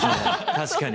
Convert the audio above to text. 確かに。